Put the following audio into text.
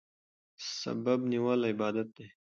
سبب نیول عبادت دی.